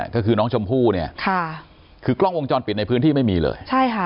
ก็คือน้องชมพู่คือกล้องวงจรปิดในพื้นที่ไม่มีเลย